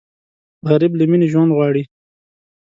غریب له مینې ژوند غواړي